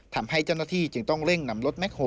ทำให้เจ้าหน้าที่จึงต้องเร่งนำรถแคคโฮ